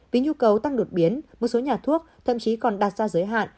vì nhu cầu tăng đột biến một số nhà thuốc thậm chí còn đặt ra giới hạn